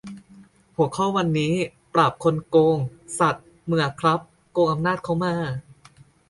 หัวข้อวันนี้ "ปราบคนโกง" สัส มึงน่ะครับ โกงอำนาจเขามา